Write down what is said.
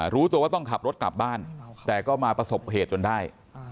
รู้ตัวว่าต้องขับรถกลับบ้านแต่ก็มาประสบเหตุจนได้